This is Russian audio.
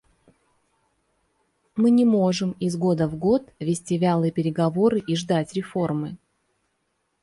Мы не можем из года в год вести вялые переговоры и ждать реформы.